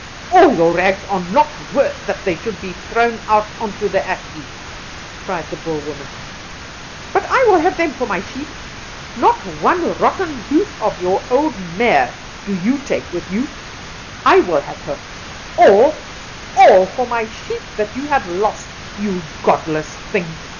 All your rags are not worth that they should be thrown out onto the ash heap," cried the Boer woman; "but I will have them for my sheep. Not one rotten hoof of your old mare do you take with you; I will have her all, all for my sheep that you have lost, you godless thing!"